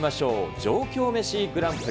上京メシグランプリ。